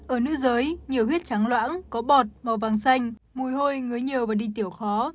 ở nữ giới nhiều huyết trắng loãng có bọt màu vàng xanh mùi hôi ngứa nhiều và đi tiểu khó